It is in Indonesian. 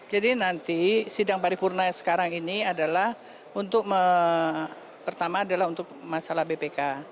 jadi nanti sidang paripurna sekarang ini adalah pertama adalah untuk masalah bpk